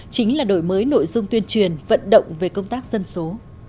chính là đổi mới nội dung tuyên truyền vận động về công tác dân số